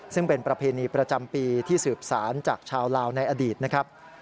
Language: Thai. ซึ่งเป็นประเพณีประจำปีที่สืบสารจากชาวลาวในอดีตนะครับ